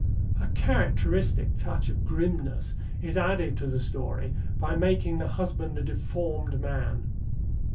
A characteristic touch of grimness is added to the story by making the husband a deformed man.